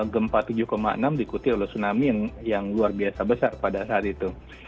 gempa tujuh enam diikuti oleh tsunami yang luar biasa besar pada saat itu